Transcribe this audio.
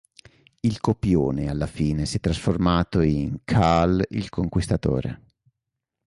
Il copione alla fine si è trasformato in "Kull il conquistatore".